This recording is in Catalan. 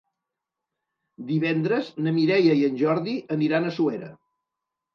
Divendres na Mireia i en Jordi aniran a Suera.